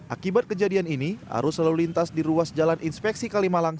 akibat kejadian ini arus lalu lintas di ruas jalan inspeksi kalimalang